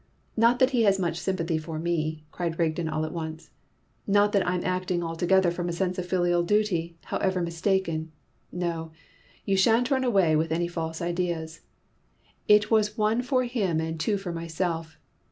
Not that he has much sympathy for me!" cried Rigden all at once. "Not that I'm acting altogether from a sense of filial duty, however mistaken; no, you shan't run away with any false ideas. It was one for him and two for myself!